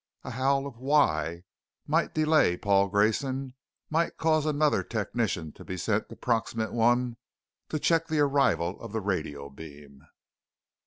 A howl of 'Why?' might delay Paul Grayson; might cause another technician to be sent to Proxima I to check the arrival of the radio beam.